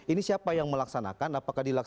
ini siapa yang melaksanakan